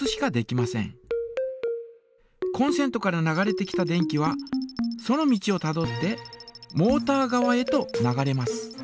コンセントから流れてきた電気はその道をたどってモータ側へと流れます。